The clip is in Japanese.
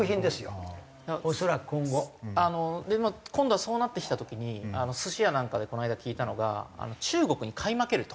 今度はそうなってきた時に寿司屋なんかでこの間聞いたのが中国に買い負けると。